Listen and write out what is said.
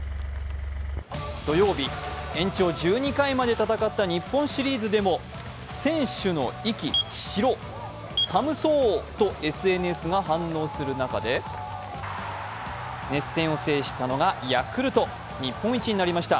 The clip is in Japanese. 土曜日、延長１２回まで戦った日本シリーズでも選手の息、白っ！、寒そう！とＳＮＳが反応する中で、熱戦を制したのがヤクルト、日本一になりました。